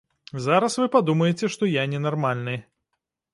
Зараз вы падумаеце, што я ненармальны.